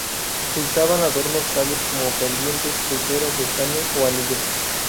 Usaban adornos tales como pendientes, pulseras de estaño o anillos.